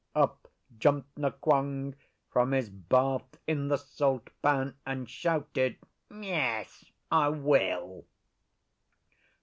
Up jumped Nqong from his bath in the salt pan and shouted, 'Yes, I will!